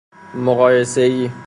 مقایسه ای